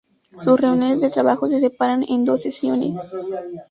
Sus reuniones de trabajo se separan en dos sesiones.